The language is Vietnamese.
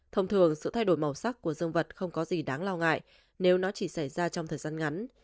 thông thường sự thay đổi màu sắc của dân vật không có gì đáng lo ngại nếu nó chỉ xảy ra trong thời gian ngắn